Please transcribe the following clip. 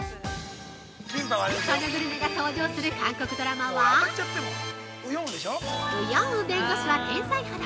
このグルメが登場する韓国ドラマは「ウ・ヨンウ弁護士は天才肌」！